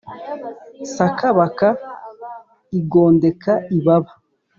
sakabaka igondeka ibaba